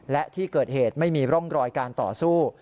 และที่เกิดเหตุไม่มีร่องรอยการต่อสู้